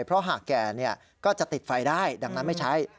เพราะหากแก่ก็จะติดไฟได้ดังนั้นไม่ใช้